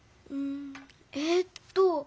ええっと。